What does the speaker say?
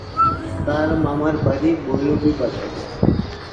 তার মামার বাড়ি মৌলভীবাজারে।